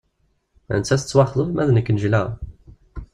Nettat tettwaxḍeb ma d nek nejlaɣ.